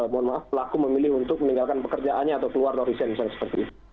mohon maaf pelaku memilih untuk meninggalkan pekerjaannya atau keluar dari sen misalnya seperti itu